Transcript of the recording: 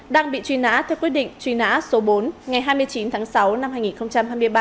đang bị truy nã theo quyết định truy nã số bốn ngày hai mươi chín tháng sáu năm hai nghìn hai mươi ba